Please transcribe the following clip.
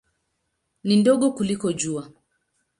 Ni ndogo kuliko Jua.